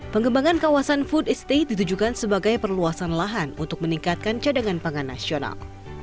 pengembangan kawasan food estate ditujukan sebagai perluasan lahan untuk meningkatkan cadangan pangan nasional